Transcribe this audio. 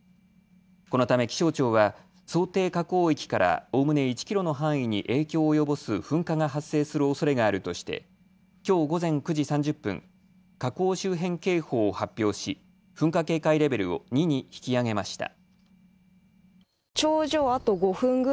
このため気象庁は想定火口域からおおむね１キロの範囲に影響を及ぼす噴火が発生するおそれがあるとしてきょう午前９時３０分、火口周辺警報を発表し噴火警戒レベルを２に引き上げました。